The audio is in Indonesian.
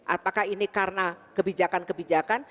apakah ini karena kebijakan kebijakan